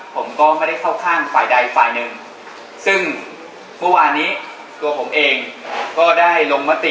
ผมก็ไม่ได้เข้าข้างฝ่ายใดฝ่ายหนึ่งซึ่งเมื่อวานนี้ตัวผมเองก็ได้ลงมติ